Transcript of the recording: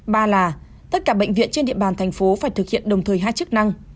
ba là tất cả bệnh viện trên địa bàn thành phố phải thực hiện đồng thời hai chức năng